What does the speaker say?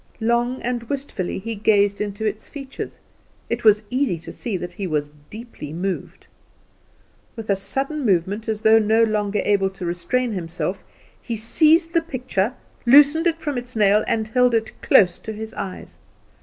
Long and wistfully he gazed into its features; it was easy to see that he was deeply moved. With a sudden movement, as though no longer able to restrain himself, he seized the picture, loosened it from its nail, and held it close to his eyes.